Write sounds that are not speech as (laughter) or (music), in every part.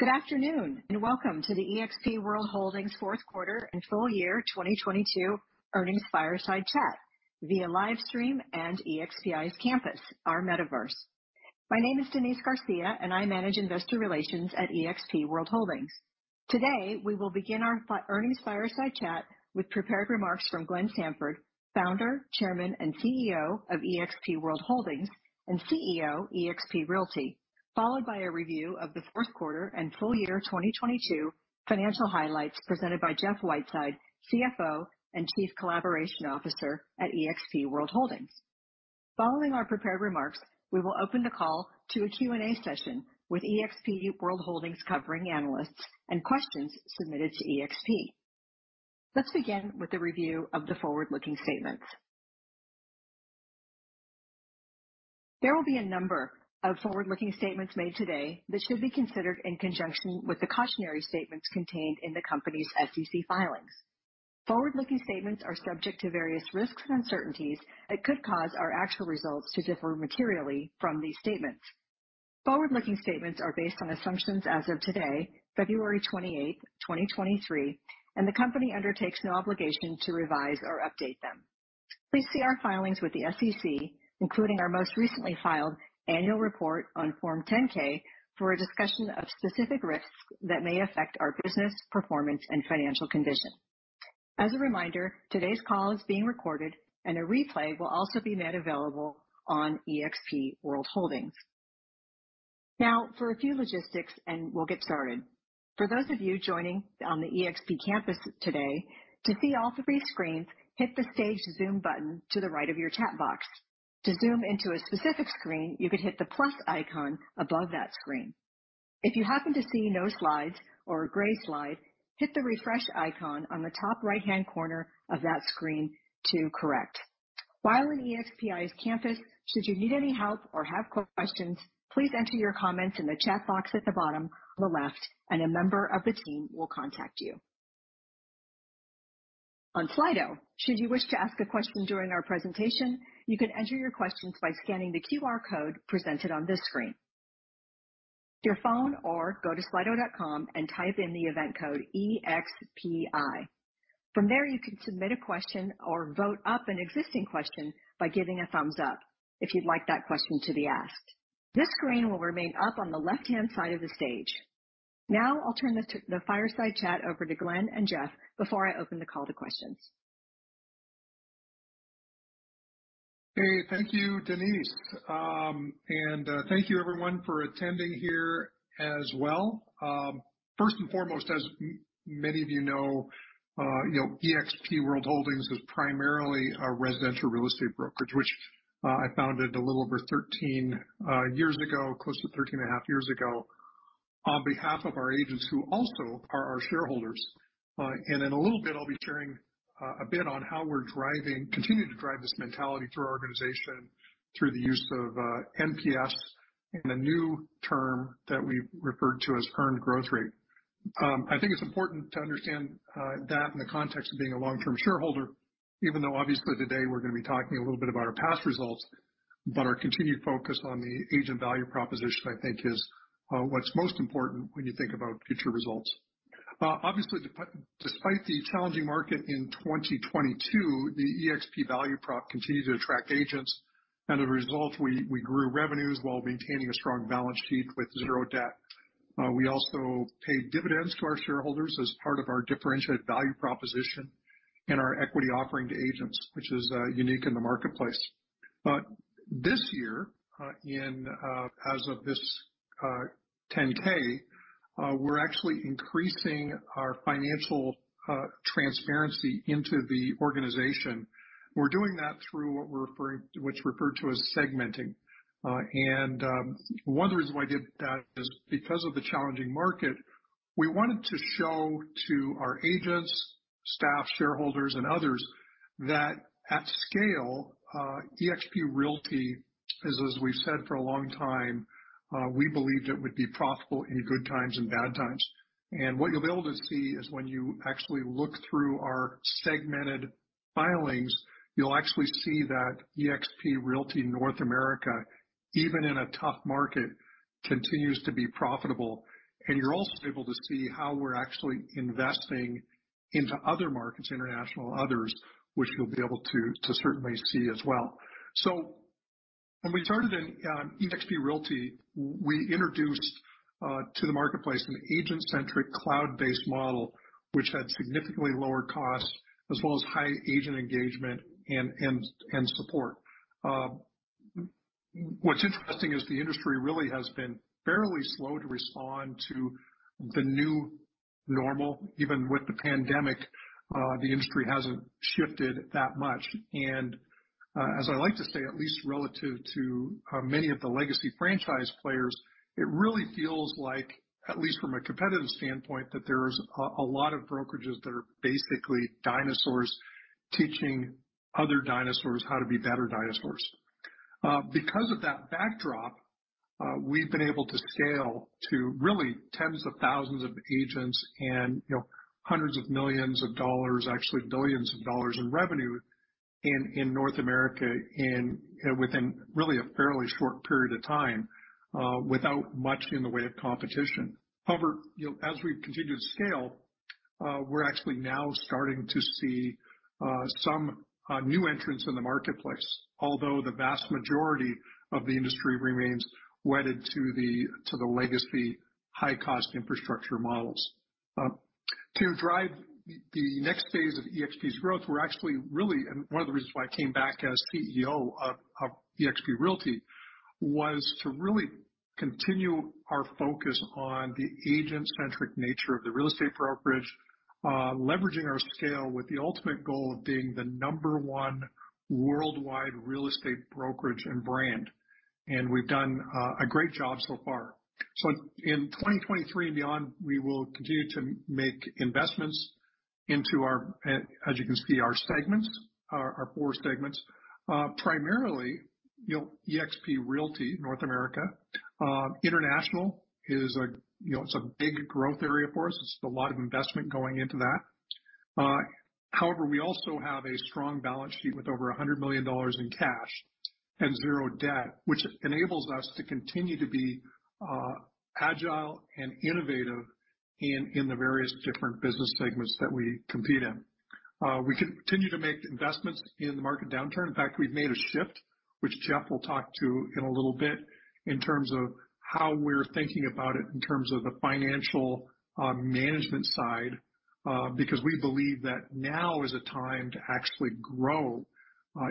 Good afternoon, welcome to the eXp World Holdings fourth quarter and full year 2022 earnings fireside chat via live stream and EXPI's Campus, our metaverse. My name is Denise Garcia, and I manage investor relations at eXp World Holdings. Today, we will begin our earnings fireside chat with prepared remarks from Glenn Sanford, Founder, Chairman, and CEO of eXp World Holdings and CEO eXp Realty, followed by a review of the fourth quarter and full year 2022 financial hi ghlights presented by Jeff Whiteside, CFO and Chief Collaboration Officer at eXp World Holdings. Following our prepared remarks, we will open the call to a Q&A session with eXp World Holdings covering analysts and questions submitted to eXp. Let's begin with a review of the forward-looking statements. There will be a number of forward-looking statements made today that should be considered in conjunction with the cautionary statements contained in the company's SEC filings. Forward-looking statements are subject to various risks and uncertainties that could cause our actual results to differ materially from these statements. Forward-looking statements are based on assumptions as of today, February 28, 2023. The company undertakes no obligation to revise or update them. Please see our filings with the SEC, including our most recently filed annual report on Form 10-K, for a discussion of specific risks that may affect our business, performance, and financial condition. As a reminder, today's call is being recorded and a replay will also be made available on eXp World Holdings. Now for a few logistics, and we'll get started. For those of you joining on the eXp Campus today, to see all three screens, hit the Stage Zoom button to the right of your chat box. To zoom into a specific screen, you can hit the plus icon above that screen. If you happen to see no slides or a gray slide, hit the refresh icon on the top right-hand corner of that screen to correct. While in eXp Campus, should you need any help or have questions, please enter your comments in the chat box at the bottom on the left, and a member of the team will contact you. On Slido, should you wish to ask a question during our presentation, you can enter your questions by scanning the QR code presented on this screen. Your phone or go to slido.com and type in the event code E-X-P-I. From there, you can submit a question or vote up an existing question by giving a thumbs up if you'd like that question to be asked. This screen will remain up on the left-hand side of the stage. I'll turn the fireside chat over to Glenn and Jeff before I open the call to questions. Hey, thank you, Denise. Thank you everyone for attending here as well. First and foremost, as many of you know, you know, eXp World Holdings is primarily a residential real estate brokerage, which I founded a little over 13 years ago, close to 13 and a half years ago, on behalf of our agents who also are our shareholders. In a little bit, I'll be sharing a bit on how we're driving, continue to drive this mentality through our organization through the use of NPS and a new term that we've referred to as earned growth rate. I think it's important to understand that in the context of being a long-term shareholder, even though obviously today we're gonna be talking a little bit about our past results, our continued focus on the agent value proposition, I think, is what's most important when you think about future results. Obviously, despite the challenging market in 2022, the eXp value prop continued to attract agents, and as a result, we grew revenues while maintaining a strong balance sheet with zero debt. We also paid dividends to our shareholders as part of our differentiated value proposition and our equity offering to agents, which is unique in the marketplace. This year, as of this 10-K, we're actually increasing our financial transparency into the organization. We're doing that through what's referred to as segmenting. One of the reasons why I did that is because of the challenging market, we wanted to show to our agents, staff, shareholders, and others that at scale, eXp Realty is, as we've said for a long time, we believed it would be profitable in good times and bad times. What you'll be able to see is when you actually look through our segmented filings, you'll actually see that eXp Realty North America, even in a tough market, continues to be profitable. You're also able to see how we're actually investing into other markets, international others, which you'll be able to certainly see as well. When we started in eXp Realty, we introduced to the marketplace an agent-centric, cloud-based model which had significantly lower costs as well as high agent engagement and support. What's interesting is the industry really has been fairly slow to respond to the new normal. Even with the pandemic, the industry hasn't shifted that much. As I like to say, at least relative to many of the legacy franchise players, it really feels like, at least from a competitive standpoint, that there's a lot of brokerages that are basically dinosaurs teaching other dinosaurs how to be better dinosaurs. Because of that backdrop, we've been able to scale to really tens of thousands of agents and, you know, hundreds of millions of dollars, actually billions of dollars in revenue in North America within really a fairly short period of time without much in the way of competition. However, you know, as we continue to scale, we're actually now starting to see some new entrants in the marketplace, although the vast majority of the industry remains wedded to the legacy high-cost infrastructure models. To drive the next phase of eXp's growth, we're actually really, and one of the reasons why I came back as CEO of eXp Realty, was to really continue our focus on the agent-centric nature of the real estate brokerage, leveraging our scale with the ultimate goal of being the number one worldwide real estate brokerage and brand. We've done a great job so far. In 2023 and beyond, we will continue to make investments into our, as you can see, our segments, our four segments. Primarily, you know, eXp Realty North America. International is a, you know, it's a big growth area for us. It's a lot of investment going into that. We also have a strong balance sheet with over $100 million in cash and zero debt, which enables us to continue to be agile and innovative in the various different business segments that we compete in. We continue to make investments in the market downturn. In fact, we've made a shift, which Jeff will talk to in a little bit, in terms of how we're thinking about it in terms of the financial management side, because we believe that now is a time to actually grow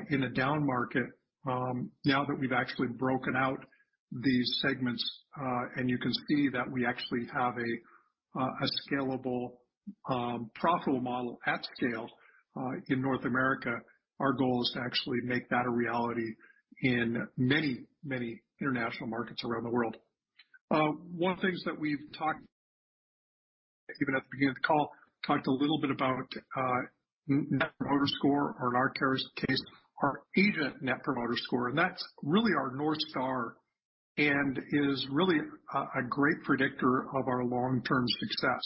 in a down market, now that we've actually broken out these segments, and you can see that we actually have a scalable, profitable model at scale in North America. Our goal is to actually make that a reality in many, many international markets around the world. One of the things that we've talked, even at the beginning of the call, talked a little bit about Net Promoter Score, or in our case, our agent Net Promoter Score, and that's really our North Star, and is really a great predictor of our long-term success.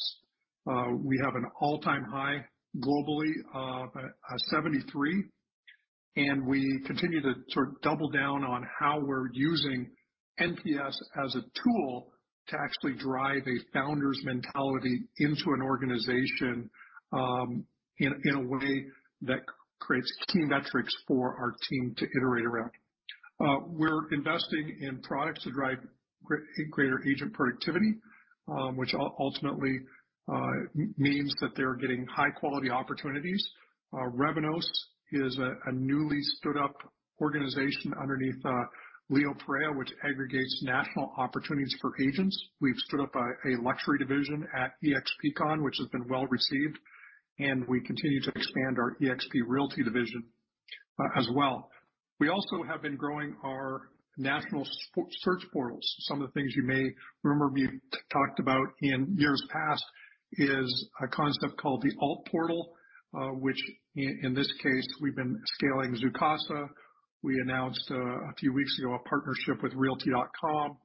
We have an all-time high globally of 73, and we continue to sort of double down on how we're using NPS as a tool to actually drive a founder's mentality into an organization in a way that creates key metrics for our team to iterate around. We're investing in products to drive greater agent productivity, which ultimately means that they're getting high-quality opportunities. Revenos is a newly stood-up organization underneath Leo Pareja, which aggregates national opportunities for agents. We've stood up a luxury division at EXPCON, which has been well received, and we continue to expand our eXp Realty division as well. We also have been growing our national search portals. Some of the things you may remember me talked about in years past is a concept called the Alt Portal, which in this case, we've been scaling Zoocasa. We announced a few weeks ago, a partnership with Realty.com.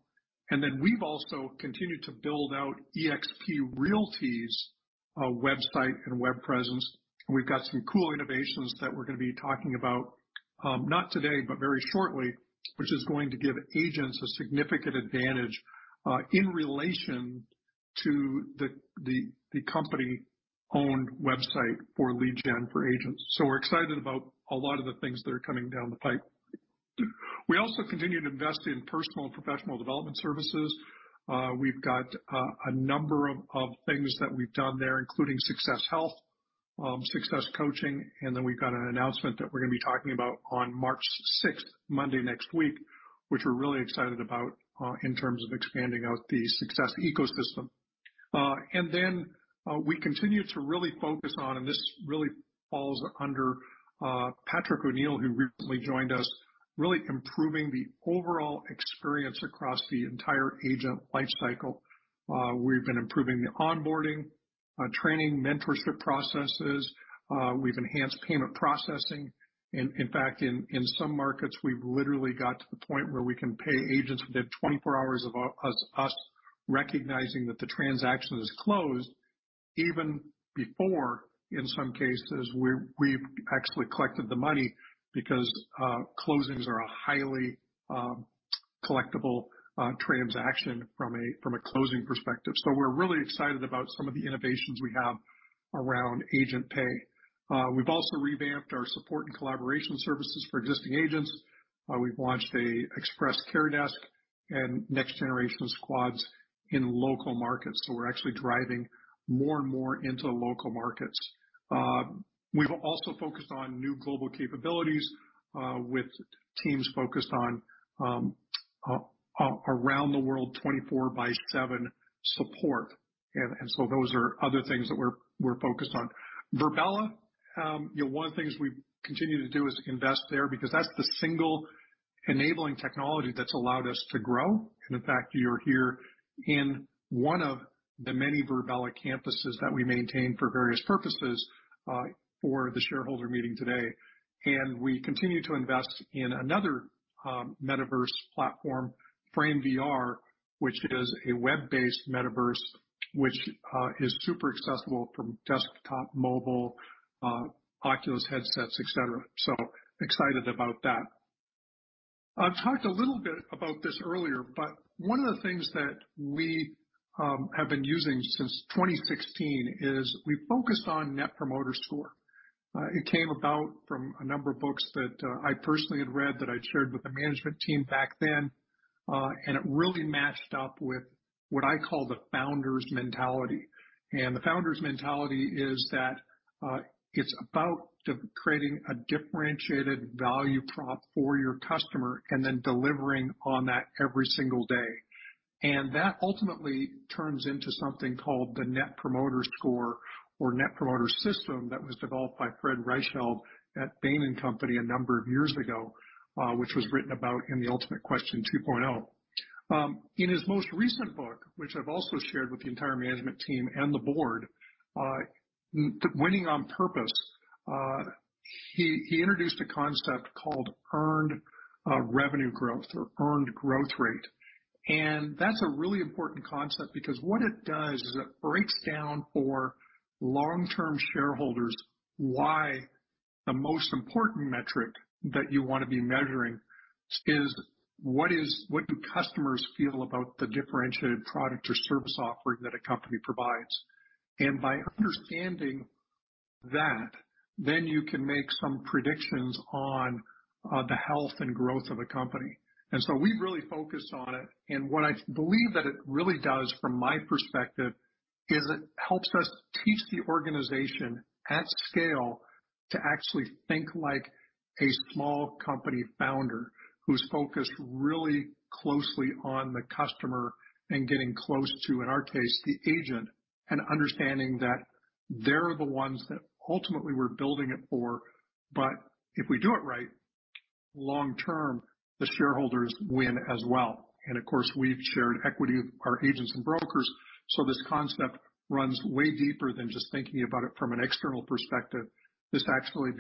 We've also continued to build out eXp Realty's website and web presence. We've got some cool innovations that we're gonna be talking about, not today, but very shortly, which is going to give agents a significant advantage in relation to the company-owned website for lead gen for agents. We're excited about a lot of the things that are coming down the pipe. We also continue to invest in personal and professional development services. We've got a number of things that we've done there, including SUCCESS Health, SUCCESS Coaching, and then we've got an announcement that we're gonna be talking about on March sixth, Monday next week, which we're really excited about in terms of expanding out the SUCCESS ecosystem. We continue to really focus on, and this really falls under Patrick O'Neill, who recently joined us, really improving the overall experience across the entire agent life cycle. We've been improving the onboarding, training, mentorship processes. We've enhanced payment processing. In fact, in some markets, we've literally got to the point where we can pay agents within 24 hours of us recognizing that the transaction is closed even before, in some cases, we've actually collected the money because closings are a highly collectible transaction from a closing perspective. We're really excited about some of the innovations we have around agent pay. We've also revamped our support and collaboration services for existing agents. We've launched a express care desk and next generation squads in local markets. We're actually driving more and more into local markets. We've also focused on new global capabilities with teams focused on around the world 24 by 7 support. Those are other things that we're focused on. Virbela, you know, one of the things we continue to do is invest there because that's the single enabling technology that's allowed us to grow. In fact, you're here in one of the many Virbela campuses that we maintain for various purposes, for the shareholder meeting today. We continue to invest in another metaverse platform, Frame VR, which is a web-based metaverse, which is super accessible from desktop, mobile, Oculus headsets, et cetera. Excited about that. I've talked a little bit about this earlier. One of the things that we have been using since 2016 is we focused on Net Promoter Score. It came about from a number of books that I personally had read that I shared with the management team back then, and it really matched up with what I call the founder's mentality. The founder's mentality is that it's about de-creating a differentiated value prop for your customer and then delivering on that every single day. That ultimately turns into something called the Net Promoter Score or Net Promoter System that was developed by Fred Reichheld at Bain & Company a number of years ago, which was written about in The Ultimate Question 2.0. In his most recent book, which I've also shared with the entire management team and the board, Winning on Purpose, he introduced a concept called earned revenue growth or earned growth rate. That's a really important concept because what it does is it breaks down for long-term shareholders why the most important metric that you wanna be measuring is what do customers feel about the differentiated product or service offering that a company provides. By understanding that, then you can make some predictions on the health and growth of a company. We really focus on it. What I believe that it really does from my perspective is it helps us teach the organization at scale to actually think like a small company founder who's focused really closely on the customer and getting close to, in our case, the agent, and understanding that they're the ones that ultimately we're building it for. If we do it right, long-term, the shareholders win as well. Of course, we've shared equity with our agents and brokers, so this concept runs way deeper than just thinking about it from an external perspective. This actually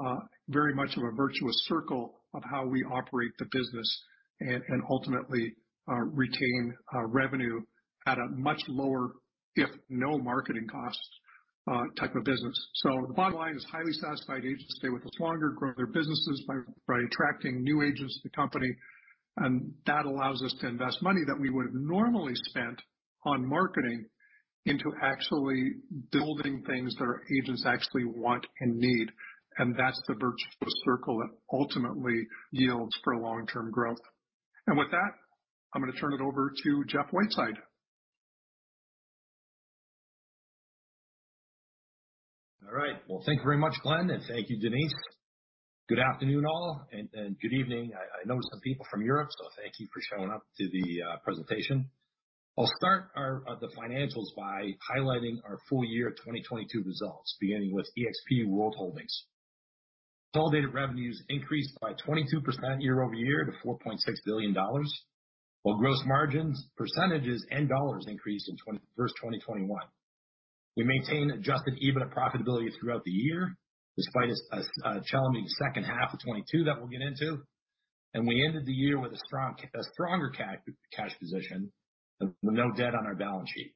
becomes very much of a virtuous circle of how we operate the business and ultimately retain revenue at a much lower, if no marketing costs, type of business. The bottom line is highly satisfied agents stay with us longer, grow their businesses by attracting new agents to the company, and that allows us to invest money that we would have normally spent on marketing into actually building things that our agents actually want and need. That's the virtuous circle that ultimately yields for long-term growth. With that, I'm gonna turn it over to Jeff Whiteside. All right. Well, thank you very much, Glenn, and thank you, Denise. Good afternoon, all, and good evening. I know some people from Europe, thank you for showing up to the presentation. I'll start our the financials by highlighting our full year 2022 results, beginning with eXp World Holdings. Consolidated revenues increased by 22% year-over-year to $4.6 billion, while gross margins, percentages, and dollars increased versus 2021. We maintained Adjusted EBITDA profitability throughout the year, despite a challenging second half of 2022 that we'll get into. We ended the year with a stronger cash position with no debt on our balance sheet.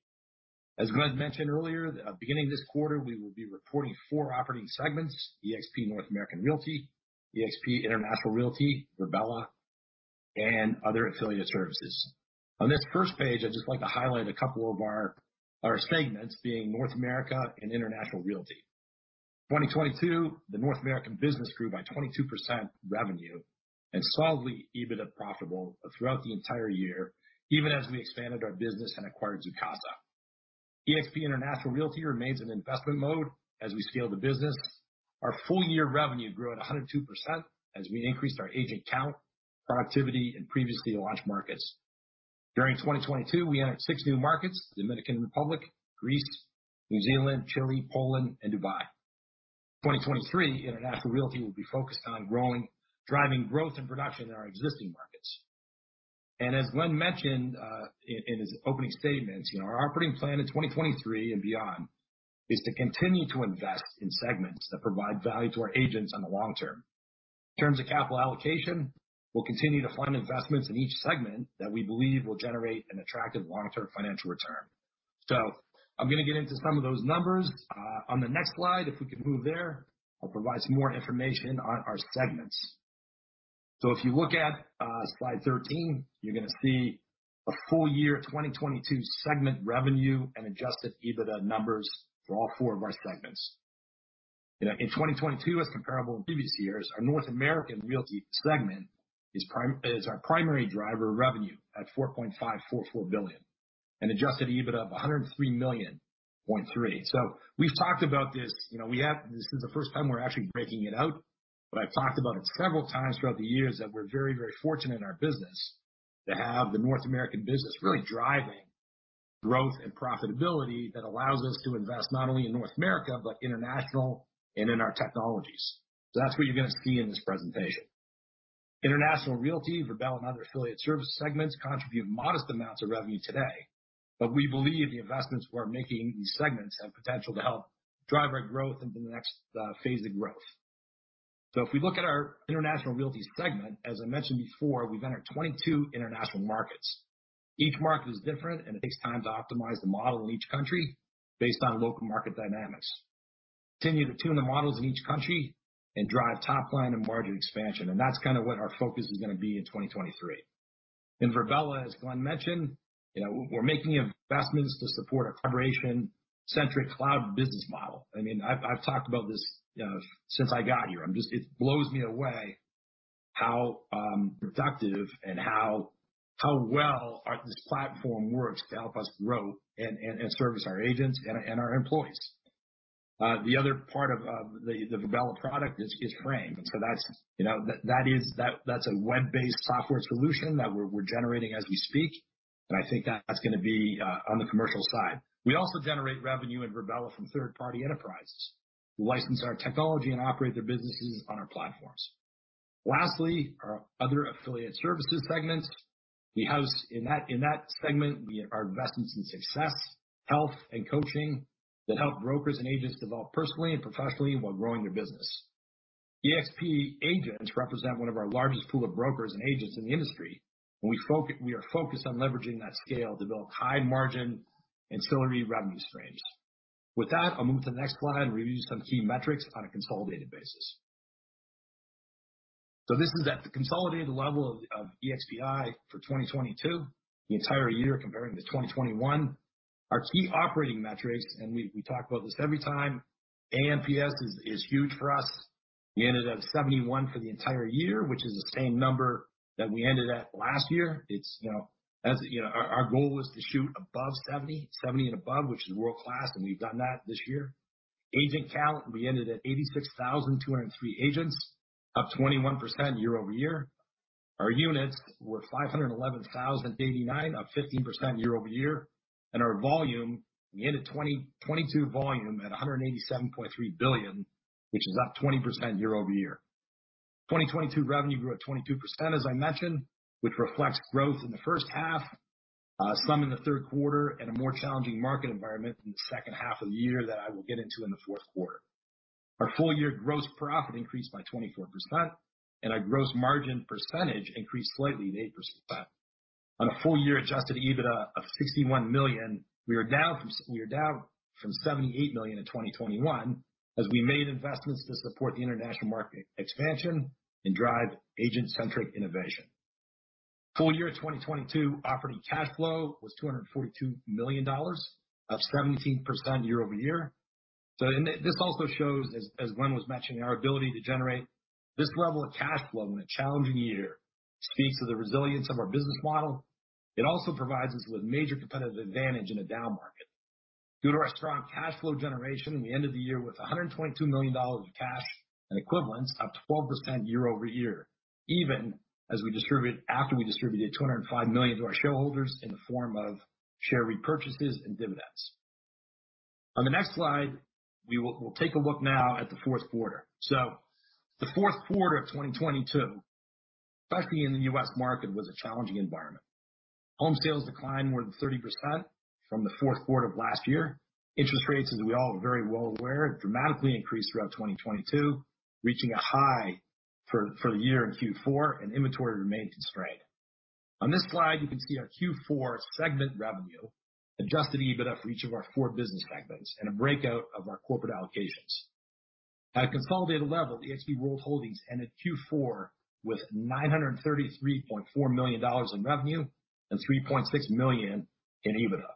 As Glenn mentioned earlier, beginning of this quarter, we will be reporting four operating segments: eXp North American Realty, eXp International Realty, Virbela, and other affiliate services. On this first page, I'd just like to highlight a couple of our segments being North America and International Realty. 2022, the North American business grew by 22% revenue and solidly EBITDA profitable throughout the entire year, even as we expanded our business and acquired Zoocasa. eXp International Realty remains in investment mode as we scale the business. Our full-year revenue grew at 102% as we increased our agent count, productivity in previously launched markets. During 2022, we entered six new markets: Dominican Republic, Greece, New Zealand, Chile, Poland, and Dubai. 2023, International Realty will be focused on growing, driving growth and production in our existing markets. As Glenn mentioned, in his opening statements, you know, our operating plan in 2023 and beyond is to continue to invest in segments that provide value to our agents in the long term. In terms of capital allocation, we'll continue to fund investments in each segment that we believe will generate an attractive long-term financial return. I'm gonna get into some of those numbers on the next slide, if we could move there. I'll provide some more information on our segments. If you look at slide 13, you're gonna see a full year 2022 segment revenue and Adjusted EBITDA numbers for all four of our segments. You know, in 2022 as comparable to previous years, our North American Realty segment is our primary driver of revenue at $4.544 billion and Adjusted EBITDA of $103.3 million. We've talked about this. You know, this is the first time we're actually breaking it out, but I've talked about it several times throughout the years that we're very, very fortunate in our business to have the North American business really driving growth and profitability that allows us to invest not only in North America, but International and in our technologies. That's what you're gonna see in this presentation. International Realty, Virbela, and other affiliate service segments contribute modest amounts of revenue today, but we believe the investments we're making in these segments have potential to help drive our growth into the next phase of growth. If we look at our International Realty segment, as I mentioned before, we've entered 22 international markets. Each market is different. It takes time to optimize the model in each country based on local market dynamics. Continue to tune the models in each country and drive top line and margin expansion. That's kind of what our focus is gonna be in 2023. In Virbela, as Glenn mentioned, you know, we're making investments to support a collaboration-centric cloud business model. I mean, I've talked about this since I got here. It blows me away how productive and how well our, this platform works to help us grow and service our agents and our employees. The other part of the Virbela product is Frame. That's, you know, that is, that's a web-based software solution that we're generating as we speak. I think that's gonna be on the commercial side. We also generate revenue in Virbela from third-party enterprises who license our technology and operate their businesses on our platforms. Lastly, our other affiliate services segments. We house in that segment, we have our investments in SUCCESS, health, and coaching that help brokers and agents develop personally and professionally while growing their business. eXp agents represent one of our largest pool of brokers and agents in the industry, and we are focused on leveraging that scale to develop high margin ancillary revenue streams. With that, I'll move to the next slide and review some key metrics on a consolidated basis. This is at the consolidated level of EXPI for 2022, the entire year comparing to 2021. Our key operating metrics, we talk about this every time, NPS is huge for us. We ended at 71 for the entire year, which is the same number that we ended at last year. It's, you know, as, you know, our goal was to shoot above 70 and above, which is world-class, and we've done that this year. Agent count, we ended at 86,203 agents, up 21% year-over-year. Our units were 511,089, up 15% year-over-year. Our volume, we ended 2022 volume at $187.3 billion, which is up 20% year-over-year. 2022 revenue grew at 22%, as I mentioned, which reflects growth in the first half, some in the third quarter, and a more challenging market environment in the second half of the year that I will get into in the fourth quarter. Our full year gross profit increased by 24%, and our gross margin percentage increased slightly at 8%. On a full year Adjusted EBITDA of $61 million, we are down from $78 million in 2021 as we made investments to support the international market expansion and drive agent-centric innovation. Full year 2022 operating cash flow was $242 million, up 17% year-over-year. This also shows as Glenn was mentioning, our ability to generate this level of cash flow in a challenging year speaks to the resilience of our business model. It also provides us with major competitive advantage in a down market. Due to our strong cash flow generation in the end of the year with $122 million of cash and equivalents, up 12% year-over-year, even after we distributed $205 million to our shareholders in the form of share repurchases and dividends. On the next slide, we'll take a look now at the fourth quarter. The fourth quarter of 2022, especially in the U.S. market, was a challenging environment. Home sales declined more than 30% from the fourth quarter of last year. Interest rates, as we all are very well aware, dramatically increased throughout 2022, reaching a high for the year in Q4, inventory remained constrained. On this slide, you can see our Q4 segment revenue, adjusted EBITDA for each of our four business segments, and a breakout of our corporate allocations. At a consolidated level, eXp World Holdings ended Q4 with $933.4 million in revenue and $3.6 million in EBITDA.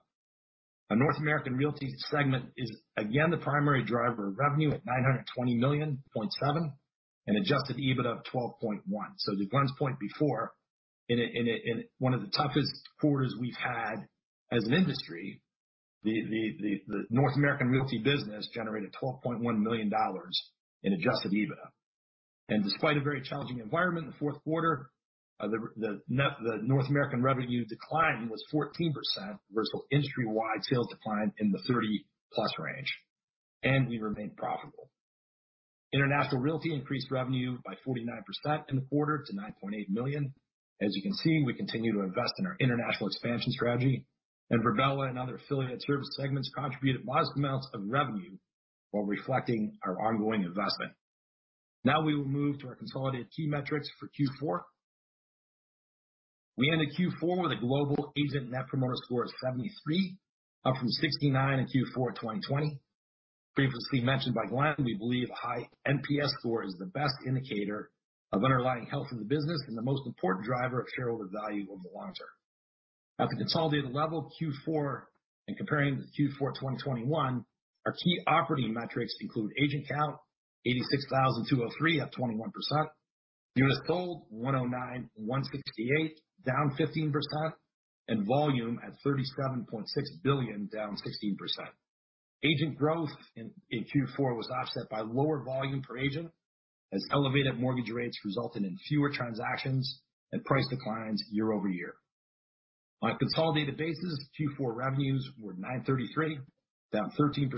Our North American Realty segment is again the primary driver of revenue at $920.7 million and adjusted EBITDA of $12.1 million. To Glenn's point before, in one of the toughest quarters we've had as an industry, the North American Realty business generated $12.1 million in adjusted EBITDA. Despite a very challenging environment in the fourth quarter, the North American revenue decline was 14% versus industry-wide sales decline in the 30+ range, and we remained profitable. eXp International Realty increased revenue by 49% in the quarter to $9.8 million. As you can see, we continue to invest in our international expansion strategy, and Virbela and other affiliate service segments contributed modest amounts of revenue while reflecting our ongoing investment. We will move to our consolidated key metrics for Q4. We ended Q4 with a global agent Net Promoter Score of 73, up from 69 in Q4 2020. Previously mentioned by Glenn, we believe a high NPS score is the best indicator of underlying health of the business and the most important driver of shareholder value over the long term. At the consolidated level, Q4, and comparing with Q4 2021, our key operating metrics include agent count, 86,203, up 21%. Units sold 109,168, down 15%, and volume at $37.6 billion, down 16%. Agent growth in Q4 was offset by lower volume per agent as elevated mortgage rates resulted in fewer transactions and price declines year-over-year. On a consolidated basis, Q4 revenues were $933 million, down 13%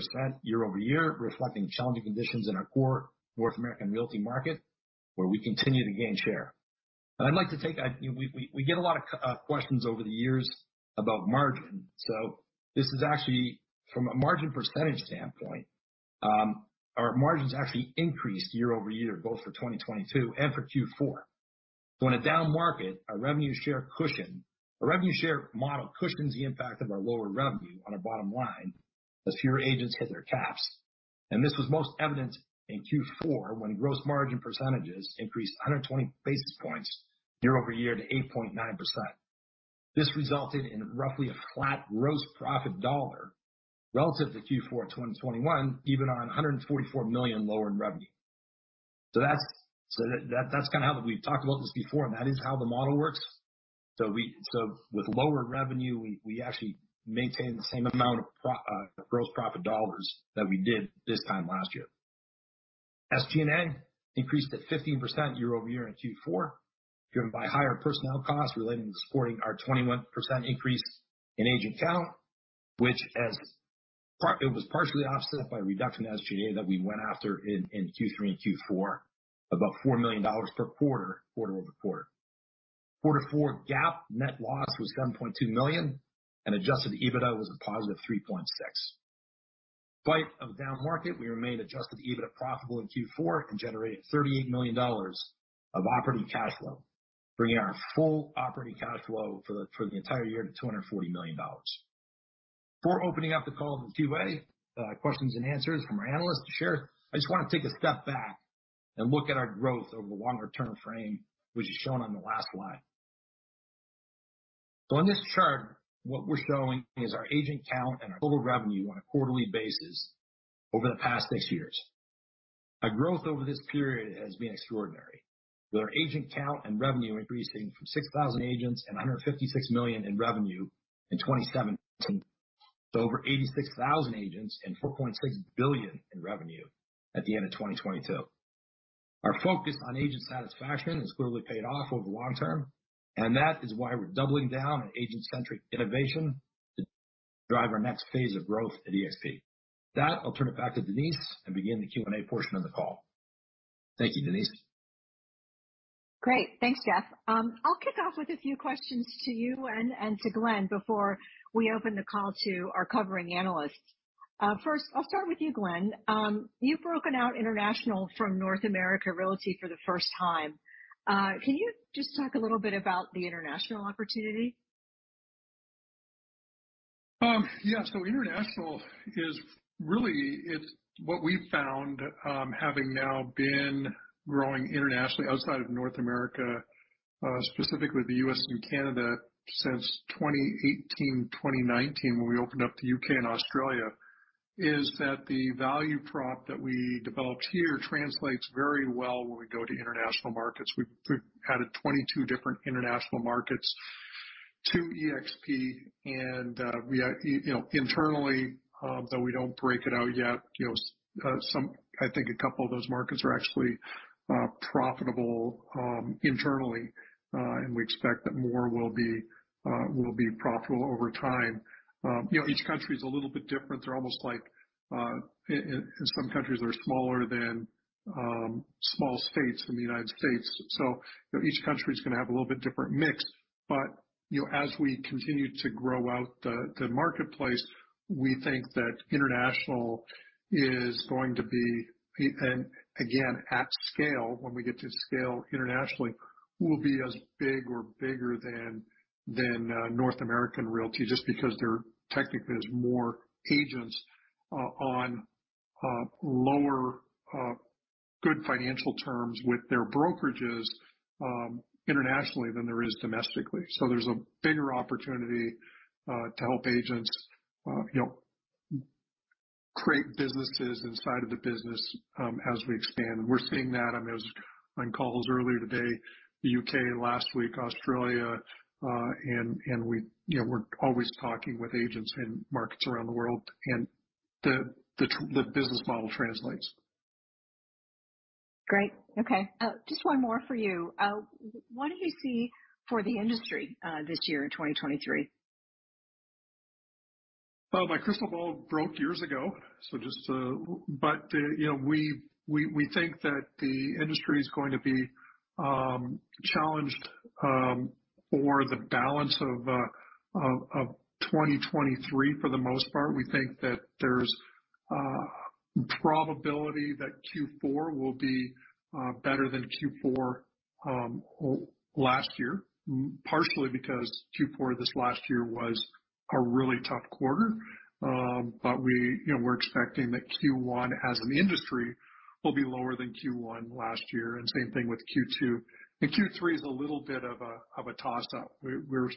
year-over-year, reflecting challenging conditions in our core North American Realty market, where we continue to gain share. We get a lot of questions over the years about margin. This is actually from a margin percentage standpoint, our margins actually increased year-over-year, both for 2022 and for Q4. In a down market, our revenue share cushion, our revenue share model cushions the impact of our lower revenue on our bottom line as fewer agents hit their caps. This was most evident in Q4 when gross margin percentages increased 120 basis points year-over-year to 8.9%. This resulted in roughly a flat gross profit dollar relative to Q4 2021, even on $144 million lower in revenue. That's kind of how we've talked about this before, and that is how the model works. With lower revenue, we actually maintain the same amount of gross profit dollars that we did this time last year. SG&A increased at 15% year-over-year in Q4, driven by higher personnel costs relating to supporting our 21% increase in agent count, which it was partially offset by a reduction in SG&A that we went after in Q3 and Q4, about $4 million per quarter-over-quarter. Quarter four GAAP net loss was $7.2 million and adjusted EBITDA was a positive $3.6 million. Despite a down market, we remained adjusted EBITDA profitable in Q4 and generated $38 million of operating cash flow, bringing our full operating cash flow for the entire year to $240 million. Before opening up the call to the QA, questions and answers from our analysts to share, I just wanna take a step back and look at our growth over the longer term frame, which is shown on the last slide. In this chart, what we're showing is our agent count and our total revenue on a quarterly basis over the past six years. Our growth over this period has been extraordinary, with our agent count and revenue increasing from 6,000 agents and $156 million in revenue in 2017 to over 86,000 agents and $4.6 billion in revenue at the end of 2022. Our focus on agent satisfaction has clearly paid off over the long term, that is why we're doubling down on agent-centric innovation to drive our next phase of growth at eXp. With that, I'll turn it back to Denise and begin the Q&A portion of the call. Thank you, Denise. Great. Thanks, Jeff. I'll kick off with a few questions to you and to Glenn before we open the call to our covering analysts. First, I'll start with you, Glenn. You've broken out international from North America Realty for the first time. Can you just talk a little bit about the international opportunity? International is really it's what we found, having now been growing internationally outside of North America, specifically the U.S. and Canada, since 2018, 2019, when we opened up the U.K. and Australia, is that the value prop that we developed here translates very well when we go to international markets. We've added 22 different international markets to eXp. We are, you know, internally, though we don't break it out yet, you know, some, I think a couple of those markets are actually profitable internally. And we expect that more will be profitable over time. You know, each country is a little bit different. They're almost like, in some countries they're smaller than small states in the United States. You know, each country is going to have a little bit different mix. You know, as we continue to grow out the marketplace, we think that international is going to be, and again, at scale, when we get to scale internationally, will be as big or bigger than North American Realty, just because there technically is more agents on lower good financial terms with their brokerages internationally than there is domestically. There's a bigger opportunity to help agents, you know, create businesses inside of the business as we expand. We're seeing that. I mean, I was on calls earlier today, the U.K. last week, Australia, and we, you know, we're always talking with agents in markets around the world. The business model translates. Great. Okay. Just one more for you. What do you see for the industry, this year in 2023? My crystal ball broke years ago. You know, we think that the industry is going to be challenged for the balance of 2023 for the most part. We think that there's probability that Q4 will be better than Q4 last year, partially because Q4 this last year was a really tough quarter. We, you know, we're expecting that Q1 as an industry will be lower than Q1 last year. Same thing with Q2. Q3 is a little bit of a toss-up, where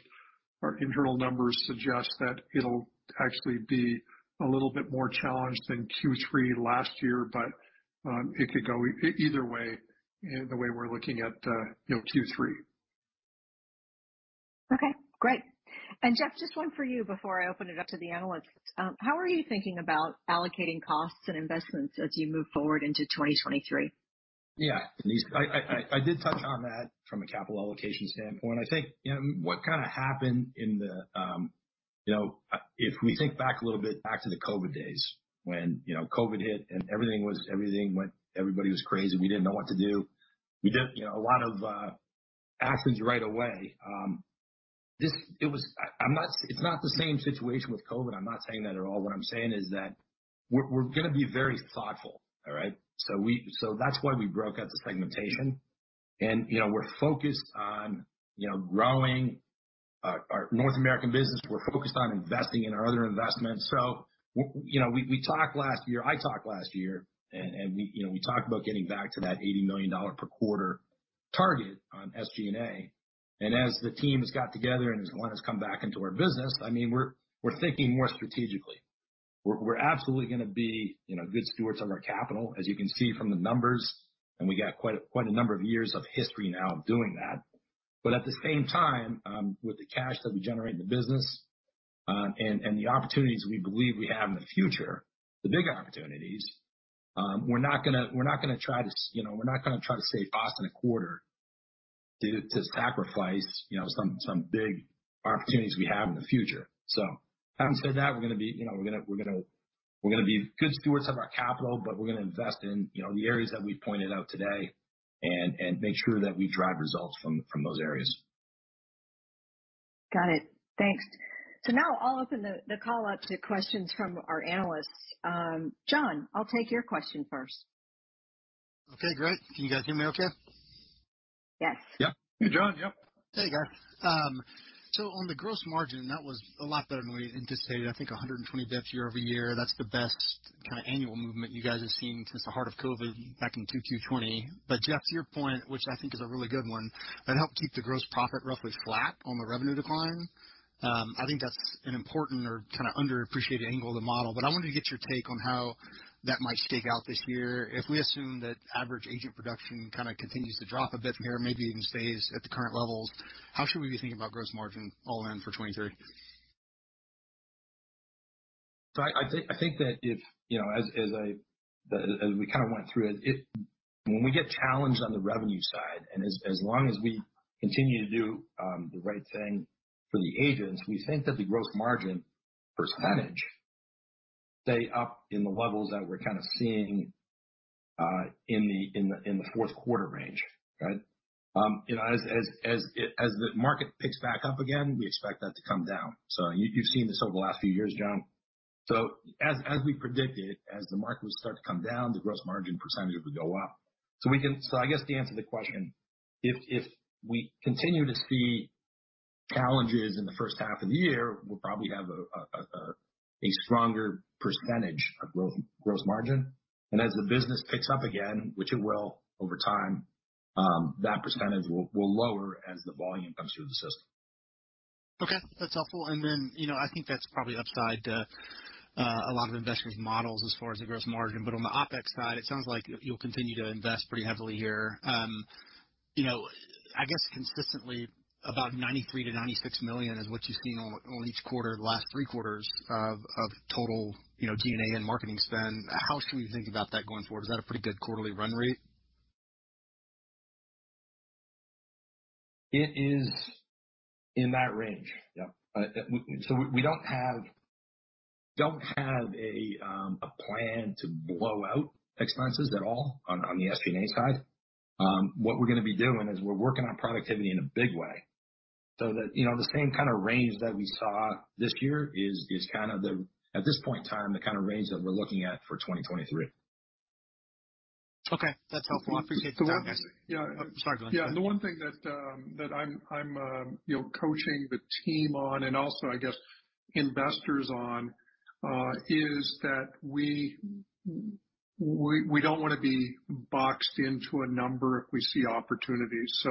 our internal numbers suggest that it'll actually be a little bit more challenged than Q3 last year. It could go either way in the way we're looking at, you know, Q3. Okay, great. Jeff, just one for you before I open it up to the analysts. How are you thinking about allocating costs and investments as you move forward into 2023? Yeah. Denise, I did touch on that from a capital allocation standpoint. I think, you know, what kinda happened in the, you know, if we think back a little bit back to the COVID days when, you know, everything went, everybody was crazy, we didn't know what to do. We did, you know, a lot of actions right away. It's not the same situation with COVID. I'm not saying that at all. What I'm saying is that we're gonna be very thoughtful, all right? That's why we broke out the segmentation. You know, we're focused on, you know, growing our North American business. We're focused on investing in our other investments. You know, we talked last year, I talked last year and we, you know, we talked about getting back to that $80 million per quarter target on SG&A. As the team has got together and as Glenn has come back into our business, I mean, we're thinking more strategically. We're, we're absolutely gonna be, you know, good stewards of our capital, as you can see from the numbers, and we got quite a number of years of history now of doing that. At the same time, with the cash that we generate in the business, and the opportunities we believe we have in the future, the big opportunities, we're not gonna, we're not gonna try to, you know, we're not gonna try to save cost in a quarter to sacrifice, you know, some big opportunities we have in the future. Having said that, we're gonna be, you know, we're gonna, we're gonna, we're gonna be good stewards of our capital, but we're gonna invest in, you know, the areas that we pointed out today and make sure that we drive results from those areas. Got it. Thanks. Now I'll open the call up to questions from our analysts. John, I'll take your question first. Okay, great. Can you guys hear me okay? Yes. Yeah. Hey, John. Yep. There you go. On the gross margin, that was a lot better than we anticipated. I think 120 basis points year-over-year. That's the best kind of annual movement you guys have seen since the heart of COVID back in 2020. Jeff, to your point, which I think is a really good one, that helped keep the gross profit roughly flat on the revenue decline. I think that's an important or kind of underappreciated angle of the model, I wanted to get your take on how that might shake out this year. If we assume that average agent production kind of continues to drop a bit from here, maybe even stays at the current levels, how should we be thinking about gross margin all in for 2023? I think that if, you know, as we kind of went through it, when we get challenged on the revenue side, and as long as we continue to do the right thing for the agents, we think that the gross margin percentage stay up in the levels that we're kind of seeing in the fourth quarter range. Right? you know, as the market picks back up again, we expect that to come down. You've seen this over the last few years, John. As we predicted, as the market would start to come down, the gross margin percentage would go up. I guess to answer the question, if we continue to see challenges in the first half of the year, we'll probably have a stronger percentage of gross margin. As the business picks up again, which it will over time, that percentage will lower as the volume comes through the system. Okay. That's helpful. Then, you know, I think that's probably upside to a lot of investors' models as far as the gross margin. On the OpEx side, it sounds like you'll continue to invest pretty heavily here. You know, I guess consistently about $93 million-$96 million is what you've seen on each quarter, the last three quarters of total, you know, G&A and marketing spend. How should we think about that going forward? Is that a pretty good quarterly run rate? It is in that range. Yeah. We don't have a plan to blow out expenses at all on the SG&A side. What we're gonna be doing is we're working on productivity in a big way so that, you know, the same kinda range that we saw this year is kind of at this point in time, the kinda range that we're looking at for 2023. Okay. That's helpful. I appreciate the context. The one thing, yeah. Sorry, Glenn. The one thing that I'm, you know, coaching the team on, and also, I guess, investors on, is that we don't wanna be boxed into a number if we see opportunities.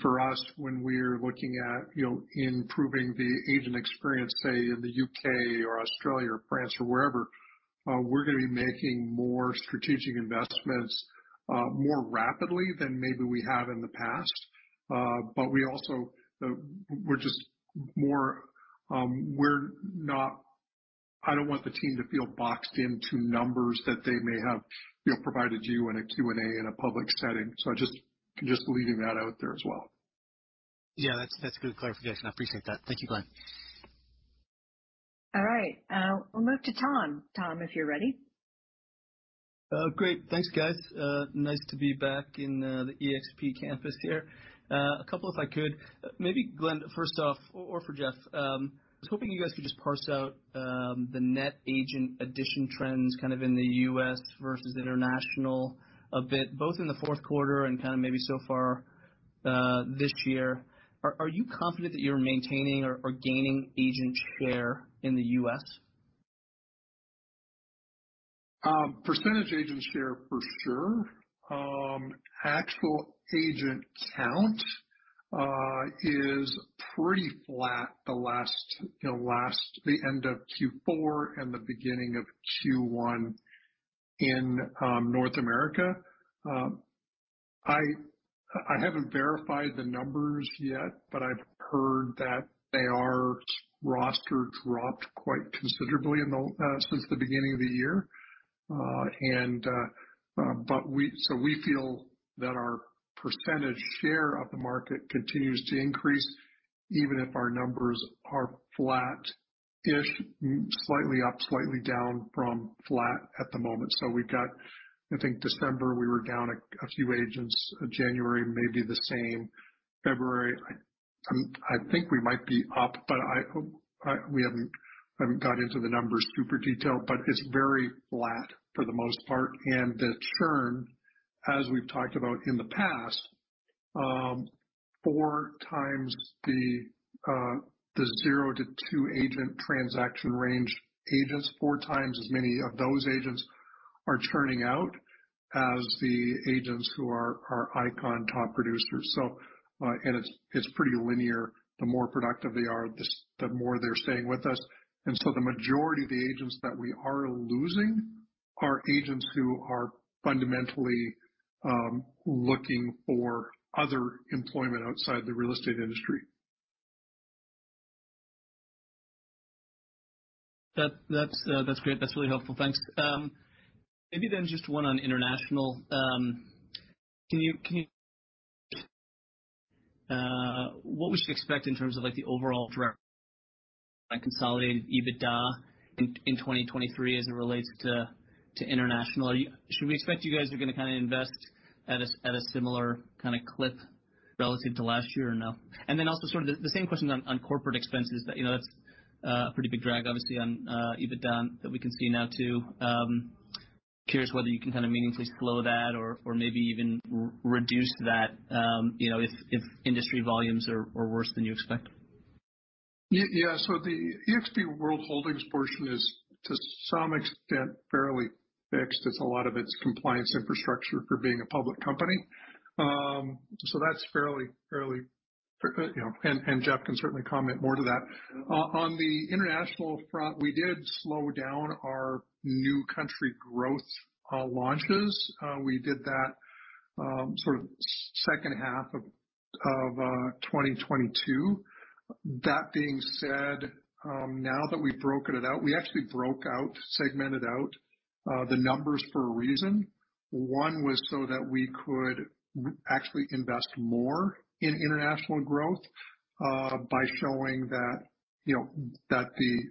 For us, when we're looking at, you know, improving the agent experience, say in the U.K. or Australia or France or wherever, we're gonna be making more strategic investments more rapidly than maybe we have in the past. I don't want the team to feel boxed into numbers that they may have, you know, provided you in a Q&A in a public setting. Just leaving that out there as well. That's good clarification. I appreciate that. Thank you, Glenn. All right. We'll move to Tom. Tom, if you're ready. Great. Thanks, guys. Nice to be back in the eXp Campus here. A couple if I could. Maybe Glenn, first off, or for Jeff. I was hoping you guys could just parse out the net agent addition trends kind of in the U.S. versus international a bit, both in the fourth quarter and kinda maybe so far this year. Are you confident that you're maintaining or gaining agent share in the U.S.? Percentage agent share for sure. Actual agent count is pretty flat the last, you know, the end of Q4 and the beginning of Q1 in North America. I haven't verified the numbers yet, but I've heard that AR's roster dropped quite considerably since the beginning of the year. We feel that our percentage share of the market continues to increase even if our numbers are flat-ish, slightly up, slightly down from flat at the moment. We've got, I think December, we were down a few agents. January may be the same. February, I think we might be up, but I we haven't got into the numbers super detailed, but it's very flat for the most part. The churn, as we've talked about in the past, four times the zero to two agent transaction range agents, four times as many of those agents are churning out as the agents who are Icon top producers. It's pretty linear. The more productive they are, the more they're staying with us. The majority of the agents that we are losing are agents who are fundamentally looking for other employment outside the real estate industry. That's great. That's really helpful. Thanks. Maybe then just one on international. Can you, what we should expect in terms of, like, the overall direct consolidated EBITDA in 2023 as it relates to international? Should we expect you guys are gonna kinda invest at a similar kinda clip relative to last year or no? Also sort of the same question on corporate expenses. That, you know, that's a pretty big drag, obviously on EBITDA that we can see now too. Curious whether you can kinda meaningfully slow that or maybe even reduce that, you know, if industry volumes are worse than you expect. Yeah. The eXp World Holdings portion is to some extent, fairly fixed. It's a lot of its compliance infrastructure for being a public company. That's fairly, you know, and Jeff can certainly comment more to that. On the international front, we did slow down our new country growth launches. We did that sort of second half of 2022. That being said, now that we've broken it out, we actually broke out, segmented out the numbers for a reason. One was so that we could actually invest more in international growth by showing that, you know, that the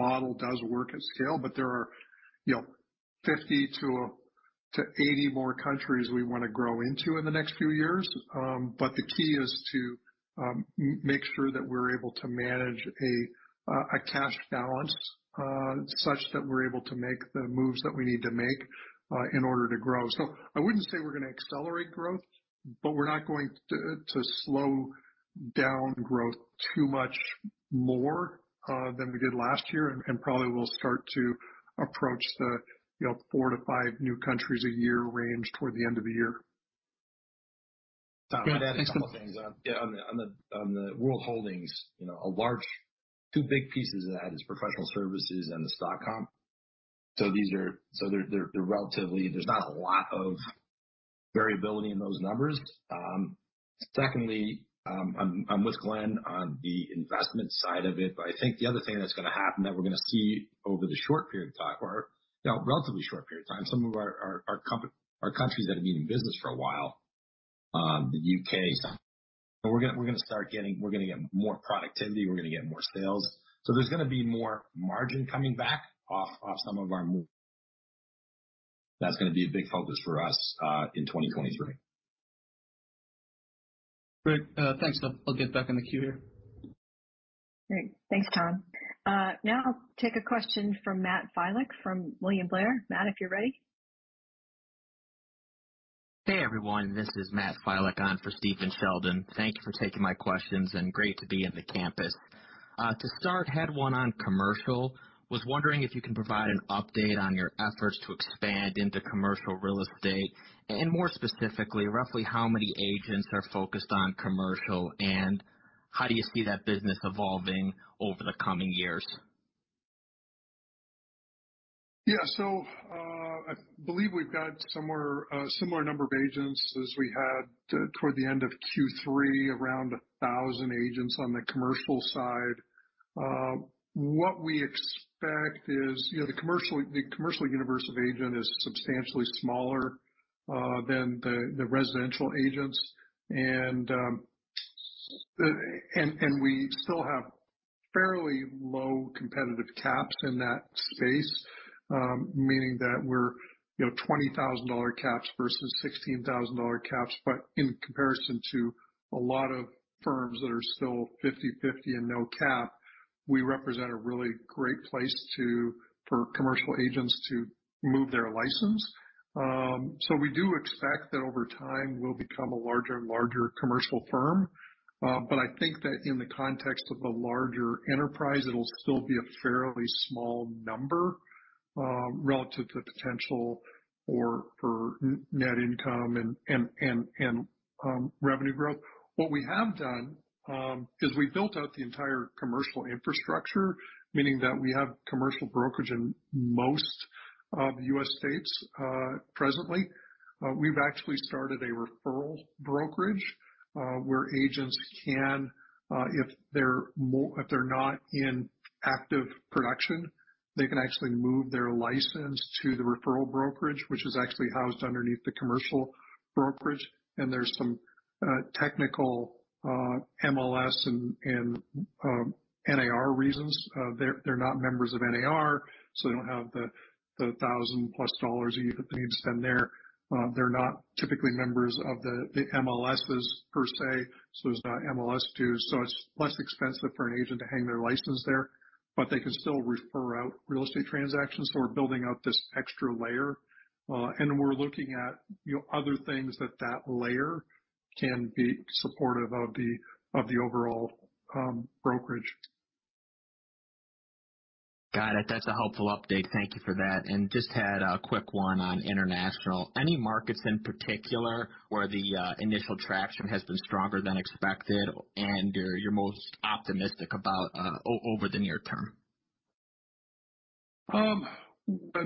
model does work at scale. There are, you know, 50 to 80 more countries we wanna grow into in the next few years. The key is to make sure that we're able to manage a cash balance such that we're able to make the moves that we need to make in order to grow. I wouldn't say we're gonna accelerate growth, but we're not going to slow down growth too much more than we did last year. Probably we'll start to approach the four to five new countries a year range toward the end of the year. (crosstalk) Thanks, Tom. On the World Holdings, you know, two big pieces of that is professional services and the stock comp. These are relatively, there's not a lot of variability in those numbers. Secondly, I'm with Glenn on the investment side of it, but I think the other thing that's gonna happen that we're gonna see over the short period of time or, you know, relatively short period of time, some of our countries that have been in business for a while, the U.K., we're gonna get more productivity, we're gonna get more sales. There's gonna be more margin coming back off some of our move. That's gonna be a big focus for us in 2023. Great. Thanks. I'll get back in the queue here. Great. Thanks, Tom. now I'll take a question from Matt Filek from William Blair. Matt, if you're ready. Hey, everyone, this is Matthew Filek on for Stephen Sheldon. Thank you for taking my questions, and great to be in the Campus. To start, had one on commercial. Was wondering if you can provide an update on your efforts to expand into commercial real estate, and more specifically, roughly how many agents are focused on commercial, and how do you see that business evolving over the coming years? I believe we've got somewhere a similar number of agents as we had toward the end of Q3, around 1,000 agents on the commercial side. What we expect is, you know, the commercial universe of agent is substantially smaller than the residential agents. We still have fairly low competitive caps in that space, meaning that we're, you know, $20,000 caps versus $16,000 caps. But in comparison to a lot of firms that are still 50/50 and no cap, we represent a really great place for commercial agents to move their license. We do expect that over time, we'll become a larger and larger commercial firm. I think that in the context of the larger enterprise, it'll still be a fairly small number relative to the potential or for net income and revenue growth. What we have done is we built out the entire commercial infrastructure, meaning that we have commercial brokerage in most of U.S. states presently. We've actually started a referral brokerage where agents can, if they're not in active production. They can actually move their license to the referral brokerage, which is actually housed underneath the commercial brokerage. There's some technical MLS and NAR reasons. They're not members of NAR, they don't have the $1,000+ a year that they need to spend there. They're not typically members of the MLSs per se, there's no MLS dues. It's less expensive for an agent to hang their license there, but they can still refer out real estate transactions. We're building out this extra layer, and we're looking at, you know, other things that that layer can be supportive of the, of the overall brokerage. Got it. That's a helpful update. Thank you for that. Just had a quick one on international. Any markets in particular where the initial traction has been stronger than expected and you're most optimistic about over the near term?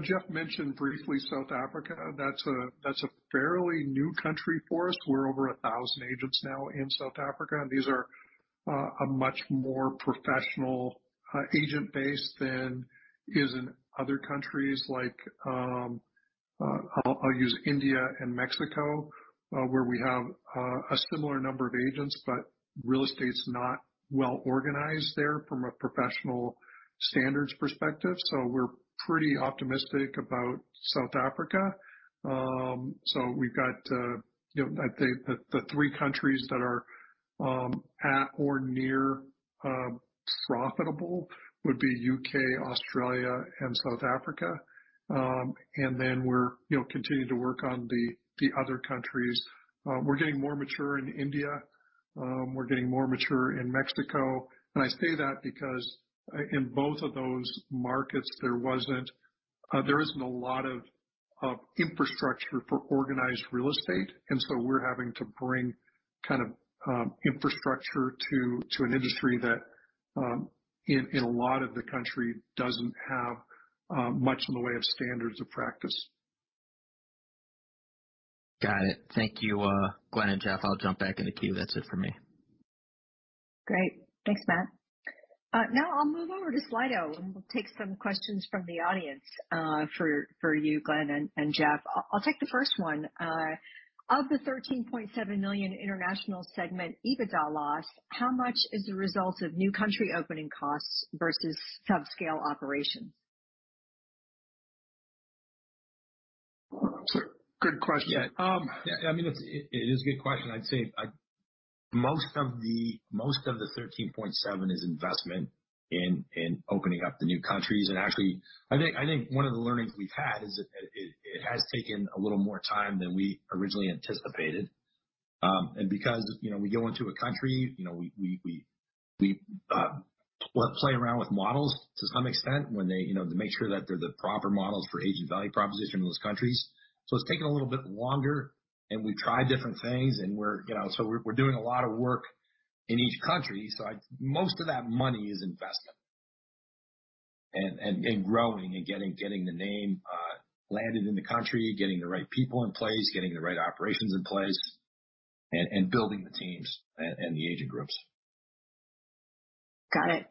Jeff mentioned briefly South Africa. That's a fairly new country for us. We're over 1,000 agents now in South Africa, and these are a much more professional agent base than is in other countries like, I'll use India and Mexico, where we have a similar number of agents, but real estate's not well organized there from a professional standards perspective. We're pretty optimistic about South Africa. We've got, you know, I'd say the three countries that are at or near profitable would be U.K., Australia and South Africa. Then we're, you know, continuing to work on the other countries. We're getting more mature in India. We're getting more mature in Mexico. I say that because, in both of those markets, there isn't a lot of infrastructure for organized real estate, and so we're having to bring kind of, infrastructure to an industry that, in a lot of the country doesn't have, much in the way of standards of practice. Got it. Thank you, Glenn and Jeff. I'll jump back in the queue. That's it for me. Great. Thanks, Matt. Now I'll move over to Slido, and we'll take some questions from the audience for you, Glenn and Jeff. I'll take the first one. Of the $13.7 million international segment EBITDA loss, how much is the result of new country opening costs versus subscale operations? Good question. Yeah. I mean, it is a good question. I'd say, most of the $13.7 is investment in opening up the new countries. Actually, I think, one of the learnings we've had is that it has taken a little more time than we originally anticipated. Because, you know, we go into a country, you know, we play around with models to some extent when they, you know, to make sure that they're the proper models for agent value proposition in those countries. It's taken a little bit longer, and we try different things and we're, you know, we're doing a lot of work in each country. Most of that money is investment and growing and getting the name landed in the country, getting the right people in place, getting the right operations in place, and building the teams and the agent groups. Got it.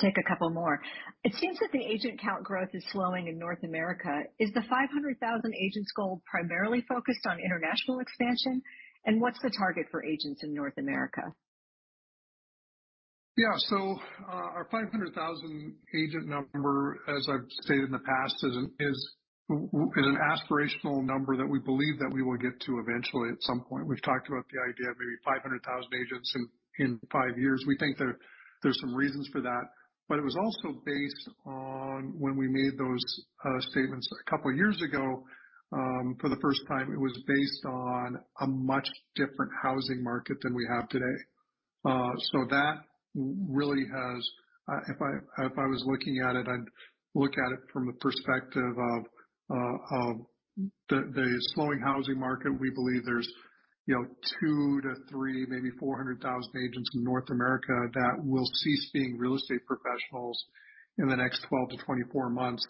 Take a couple more. It seems that the agent count growth is slowing in North America. Is the 500,000 agents goal primarily focused on international expansion? What's the target for agents in North America? Our 500,000 agent number, as I've stated in the past, is an aspirational number that we believe that we will get to eventually at some point. We've talked about the idea of maybe 500,000 agents in five years. We think there's some reasons for that, but it was also based on when we made those statements two years ago, for the first time, it was based on a much different housing market than we have today. If I was looking at it, I'd look at it from the perspective of the slowing housing market. We believe there's, you know, 200,000 to 300,000, maybe 400,000 agents in North America that will cease being real estate professionals in the next 12-24 months.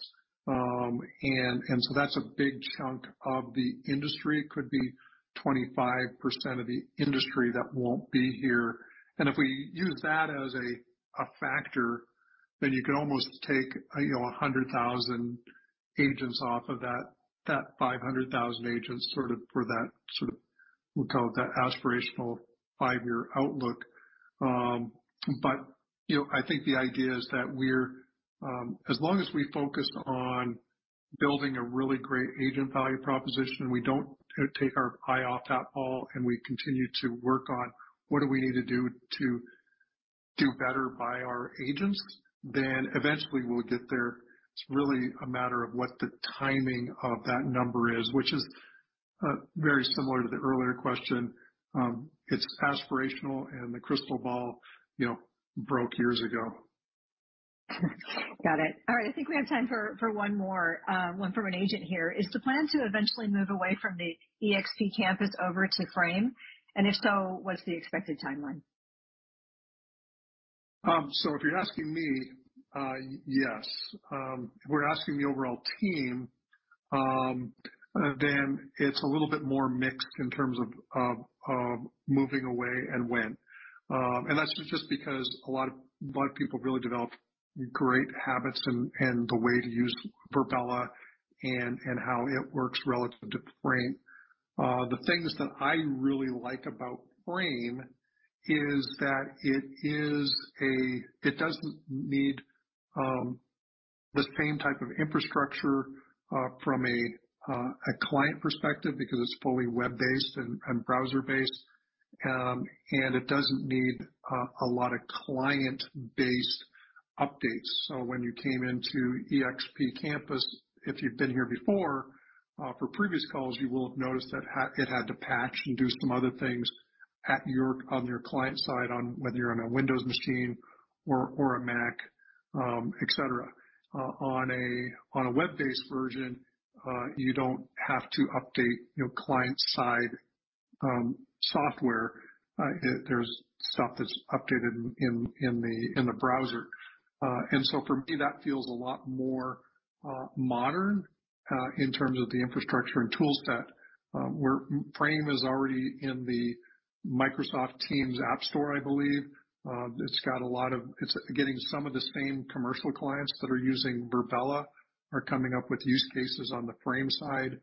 That's a big chunk of the industry. It could be 25% of the industry that won't be here. If we use that as a factor, then you can almost take, you know, 100,000 agents off of that 500,000 agents, sort of for that sort of, we'll call it that aspirational five-year outlook. You know, I think the idea is that we're as long as we focus on building a really great agent value proposition, we don't take our eye off that ball, and we continue to work on what do we need to do to do better by our agents, then eventually we'll get there. It's really a matter of what the timing of that number is, which is very similar to the earlier question. It's aspirational and the crystal ball, you know, broke years ago. Got it. All right. I think we have time for one more, one from an agent here. Is the plan to eventually move away from the eXp Campus over to Frame? If so, what's the expected timeline? If you're asking me, yes. If we're asking the overall team, it's a little bit more mixed in terms of moving away and when. That's just because a lot of people really developed great habits and the way to use Virbela and how it works relative to Frame. The things that I really like about Frame is that it doesn't need the same type of infrastructure from a client perspective because it's fully web-based and browser-based. It doesn't need a lot of client-based updates. When you came into eXp Campus, if you've been here before, for previous calls, you will have noticed that it had to patch and do some other things on your client side on whether you're on a Windows machine or a Mac, et cetera. On a web-based version, you don't have to update your client-side software. There's stuff that's updated in the browser. For me, that feels a lot more modern in terms of the infrastructure and tool set. Where Frame is already in the Microsoft Teams app store, I believe. It's getting some of the same commercial clients that are using Virbela are coming up with use cases on the Frame side.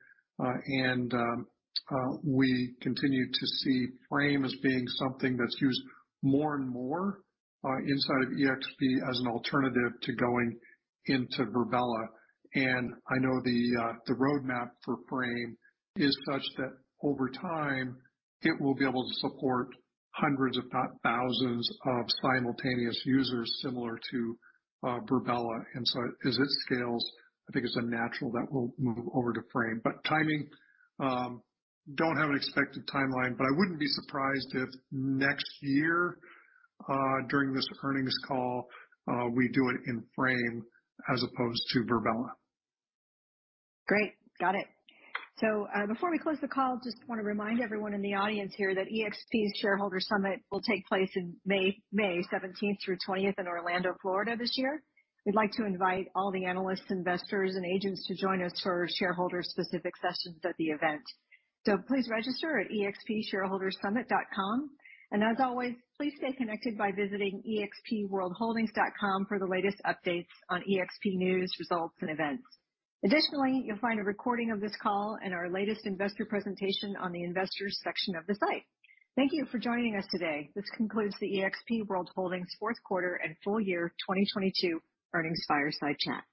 We continue to see Frame as being something that's used more and more inside of eXp as an alternative to going into Virbela. I know the roadmap for Frame is such that over time, it will be able to support hundreds, if not thousands of simultaneous users similar to Virbela. As it scales, I think it's a natural that we'll move over to Frame. Timing, don't have an expected timeline, but I wouldn't be surprised if next year, during this earnings call, we do it in Frame as opposed to Virbela. Great. Got it. Before we close the call, just wanna remind everyone in the audience here that eXp Shareholder Summit will take place in May 17th through 20th in Orlando, Florida, this year. We'd like to invite all the analysts, investors, and agents to join us for shareholder specific sessions at the event. Please register at expshareholderssummit.com. As always, please stay connected by visiting expworldholdings.com for the latest updates on eXp news, results, and events. Additionally, you'll find a recording of this call and our latest investor presentation on the investors section of the site. Thank you for joining us today. This concludes the eXp World Holdings fourth quarter and full year 2022 earnings fireside chat.